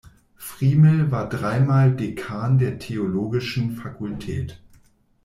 Friemel war dreimal Dekan der Theologischen Fakultät.